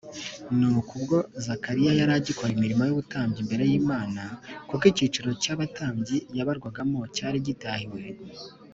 . “Nuko ubwo Zakariya yari agikora imirimo y’ubutambyi imbere y’Imana, kuko icyiciro cy’abatambyi yabarwagamo cyari gitahiwe